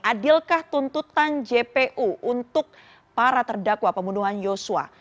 adilkah tuntutan jpu untuk para terdakwa pembunuhan yosua